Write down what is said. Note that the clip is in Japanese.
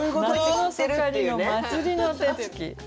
「夏の盛りの祭りの手つき」。